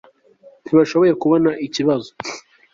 ntibashoboye kubona ikibazo